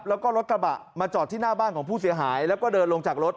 แล้วก็รถกระบะมาจอดที่หน้าบ้านของผู้เสียหายแล้วก็เดินลงจากรถ